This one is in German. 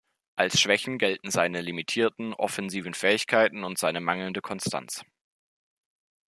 Als Schwächen gelten seine limitierten offensiven Fähigkeiten und seine mangelnde Konstanz.